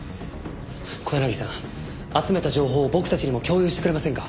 小柳さん集めた情報を僕たちにも共有してくれませんか？